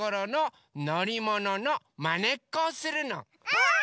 うん！